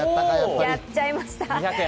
やっちゃいました。